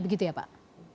begitu ya pak